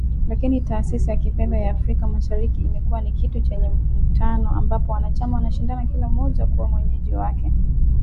Lakini Taasisi ya Kifedha ya Afrika Mashariki imekuwa ni kitu chenye mvutano, ambapo wanachama wanashindana kila mmoja kuwa mwenyeji wake.